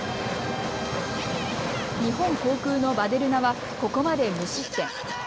日本航空のヴァデルナはここまで無失点。